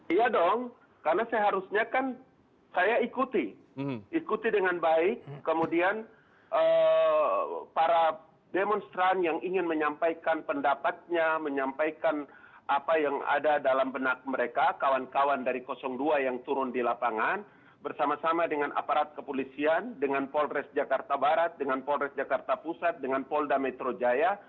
iya dong karena seharusnya kan saya ikuti ikuti dengan baik kemudian para demonstran yang ingin menyampaikan pendapatnya menyampaikan apa yang ada dalam benak mereka kawan kawan dari dua yang turun di lapangan bersama sama dengan aparat kepolisian dengan polres jakarta barat dengan polres jakarta pusat dengan polda metro jaya